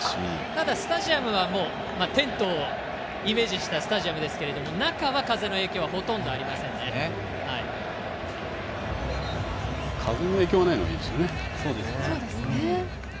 ただ、スタジアムはテントをイメージしたスタジアムですけれども中は風の影響は風の影響がないのはいいですね。